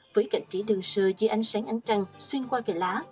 với cảnh trí đường sơ dưới ánh sáng ánh trăng xuyên qua gà lá